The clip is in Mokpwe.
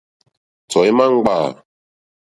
Tɔ̀ímá ŋɡbâ.